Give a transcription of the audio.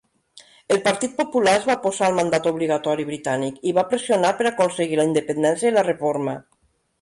El partit popular es va oposar al mandat obligatori britànic i va pressionar per aconseguir la independència i la reforma.